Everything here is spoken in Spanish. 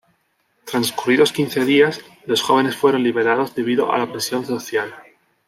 Transcurridos quince días, los jóvenes fueron liberados debido a la presión social.